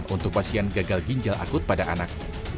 untuk pasien gagal ginjal akut pada anak